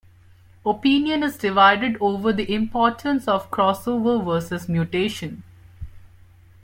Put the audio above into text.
Opinion is divided over the importance of crossover versus mutation.